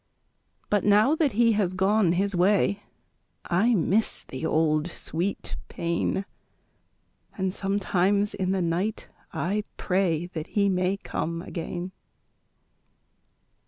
But now that he has gone his way, I miss the old sweet pain, And sometimes in the night I pray That he may come again.